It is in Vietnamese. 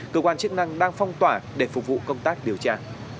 cơ quan chức năng đang phong tỏa để phục vụ công tác điều tra